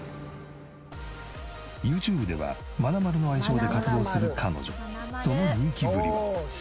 ＹｏｕＴｕｂｅではまなまるの愛称で活動する彼女その人気ぶりは。